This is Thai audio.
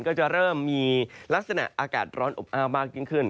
ก็จะเริ่มมีลักษณะอากาศร้อนอบอ้าวมากยิ่งขึ้น